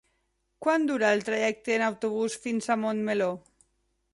Quant dura el trajecte en autobús fins a Montmeló?